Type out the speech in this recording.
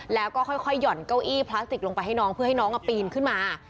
แล้วก็ค่อยหย่อนเก้าอี้พลาสติกลงไปให้น้องเพื่อให้น้องปีนขึ้นมา